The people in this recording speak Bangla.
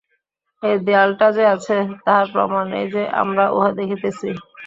এই দেয়ালটা যে আছে, তাহার প্রমাণ এই যে, আমরা উহা দেখিতেছি।